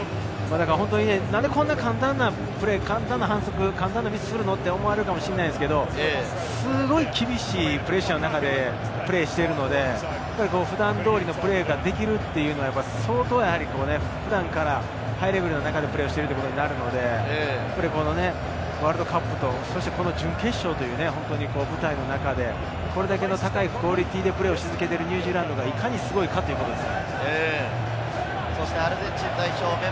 なぜこんな簡単なプレーで簡単な反則をするの？と思われるかもしれないんですけれど、すごい厳しいプレッシャーの中でプレーしているので、普段通りのプレーができるというのは相当、普段からハイレベルな中でプレーしているということになるので、ワールドカップと準決勝という舞台の中で、これだけクオリティーの高いプレーをしているニュージーランドがいかにすごいかということです。